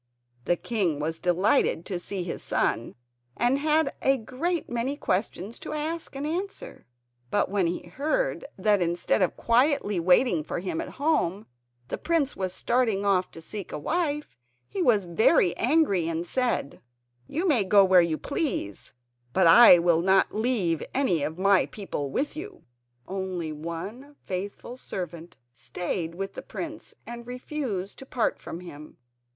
The king was delighted to see his son, and had a great many questions to ask and answer; but when he heard that instead of quietly waiting for him at home the prince was starting off to seek a wife he was very angry, and said: "You may go where you please but I will not leave any of my people with you." Only one faithful servant stayed with the prince and refused to part from him.